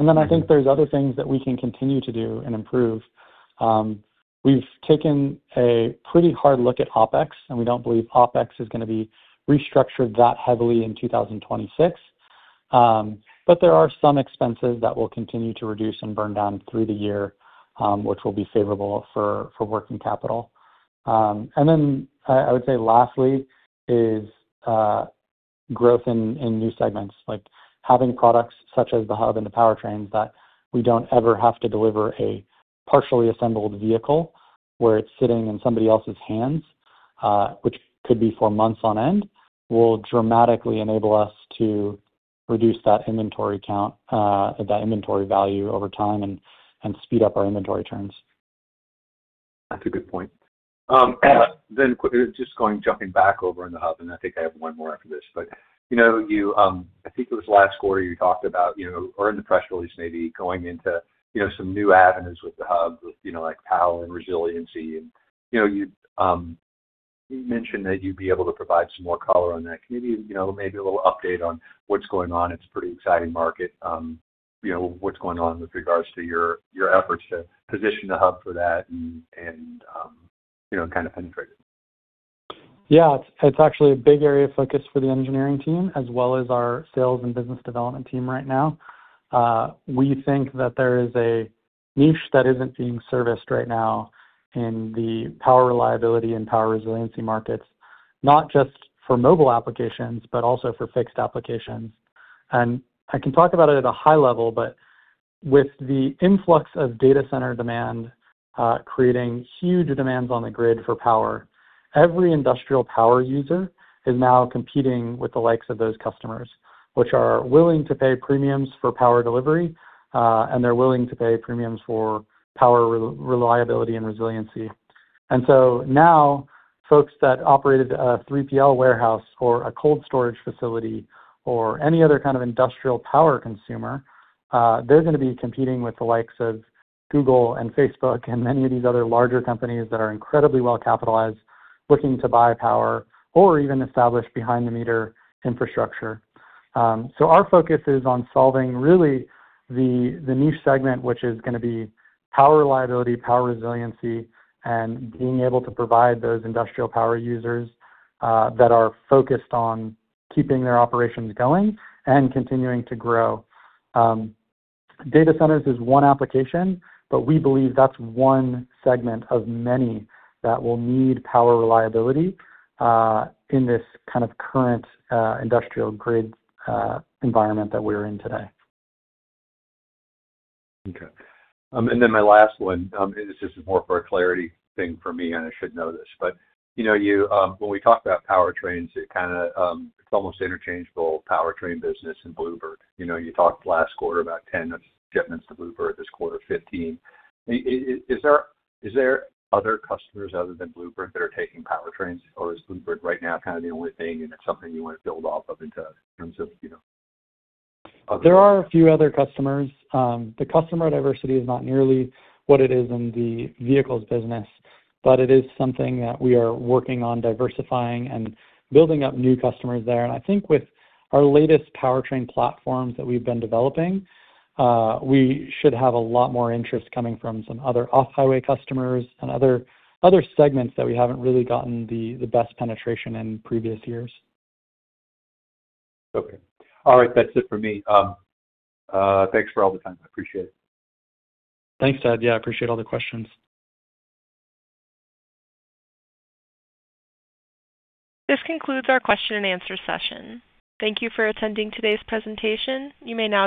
I think there's other things that we can continue to do and improve. We've taken a pretty hard look at OpEx, and we don't believe OpEx is gonna be restructured that heavily in 2026. There are some expenses that will continue to reduce and burn down through the year, which will be favorable for working capital. I would say lastly is growth in new segments, like having products such as the hub and the powertrains that we don't ever have to deliver a partially assembled vehicle, where it's sitting in somebody else's hands, which could be for months on end, will dramatically enable us to reduce that inventory count, that inventory value over time and speed up our inventory turns. That's a good point. Then just jumping back to the Hub, and I think I have one more after this. You know, you I think it was last quarter you talked about, you know, or in the press release maybe, going into, you know, some new avenues with the Hub with, you know, like power and resiliency. You know, you mentioned that you'd be able to provide some more color on that. Can you give, you know, maybe a little update on what's going on? It's a pretty exciting market. You know, what's going on with regards to your efforts to position the hub for that and, you know, kind of penetrate it? Yeah. It's actually a big area of focus for the engineering team as well as our sales and business development team right now. We think that there is a niche that isn't being serviced right now in the power reliability and power resiliency markets, not just for mobile applications, but also for fixed applications. I can talk about it at a high level, but with the influx of data center demand creating huge demands on the grid for power, every industrial power user is now competing with the likes of those customers, which are willing to pay premiums for power delivery, and they're willing to pay premiums for power reliability and resiliency. Now folks that operated a 3PL warehouse or a cold storage facility or any other kind of industrial power consumer, they're gonna be competing with the likes of Google and Facebook and many of these other larger companies that are incredibly well capitalized, looking to buy power or even establish behind-the-meter infrastructure. Our focus is on solving really the niche segment, which is gonna be power reliability, power resiliency, and being able to provide those industrial power users that are focused on keeping their operations going and continuing to grow. Data centers is one application, but we believe that's one segment of many that will need power reliability in this kind of current industrial grid environment that we're in today. Okay. Then my last one, and this is more for a clarity thing for me, and I should know this. You know, you, when we talk about powertrains, it kinda, it's almost interchangeable powertrain business in Blue Bird. You know, you talked last quarter about 10 shipments to Blue Bird, this quarter 15. Is there other customers other than Blue Bird that are taking powertrains, or is Blue Bird right now kind of the only thing and it's something you wanna build off of in terms of, you know, other- There are a few other customers. The customer diversity is not nearly what it is in the vehicles business, but it is something that we are working on diversifying and building up new customers there. I think with our latest powertrain platforms that we've been developing, we should have a lot more interest coming from some other off-highway customers and other segments that we haven't really gotten the best penetration in previous years. Okay. All right. That's it for me. Thanks for all the time. I appreciate it. Thanks, Ted. Yeah, I appreciate all the questions. This concludes our question and answer session. Thank you for attending today's presentation. You may now disconnect.